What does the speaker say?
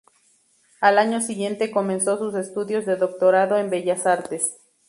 Al año siguiente comenzó sus estudios de Doctorado en Bellas Artes.